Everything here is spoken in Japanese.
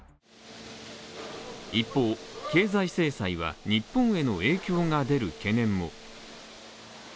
一方、経済制裁は、日本への影響が出る懸念も。